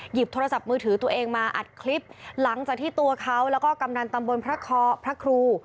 หยิบโทรศัพท์มือถือตัวเองมาอัดคลิปหลังจากที่ตัวเขาแล้วก็กำนันตำบลพระคอพระครู